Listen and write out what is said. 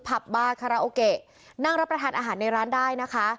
บาคาราโอเกะนั่งรับประทานอาหารในร้านได้นะคะ